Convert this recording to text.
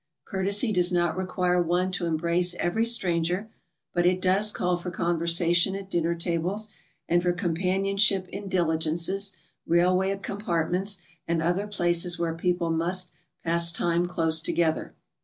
Cour tesy does not require one to embrace every stranger, but it does call for conversation at dinner tables, and for com panionship in diligences, railway compartments, and other places where people must pass time close together.